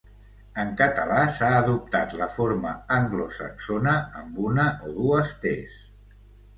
En català s'ha adoptat la forma anglosaxona amb una o dues tes.